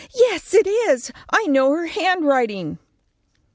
Yes, it is, I know her handwriting."